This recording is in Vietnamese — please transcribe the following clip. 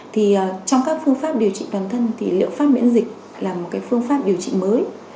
thì trong các phương pháp điều trị toàn thân thì liệu pháp miễn dịch là một phương pháp điều trị mới